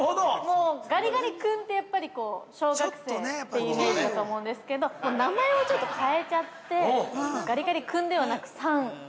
◆もうガリガリ君ってやっぱり小学生というイメージだと思うんですけど、名前をちょっと変えちゃって、ガリガリ君ではなく、さん。